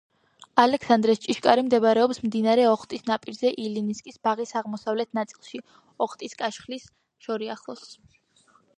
ალექსანდრეს ჭიშკარი მდებარეობს მდინარე ოხტის ნაპირზე ილინსკის ბაღის აღმოსავლეთ ნაწილში, ოხტის კაშხლის შორიახლოს.